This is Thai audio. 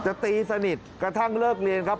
ตีสนิทกระทั่งเลิกเรียนครับ